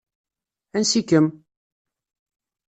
Ansi-kem?